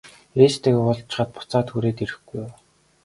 Ээжтэйгээ уулзчихаад буцаад хүрээд ирэхгүй юу?